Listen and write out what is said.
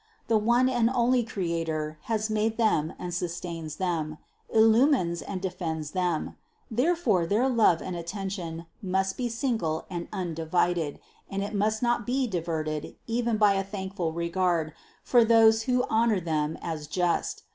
The one and only Creator has made them and sustains them, illu mines and defends them ; therefore their love and attention must be single and undivided, and it must not be diverted even by a thankful regard for those who honor them as just.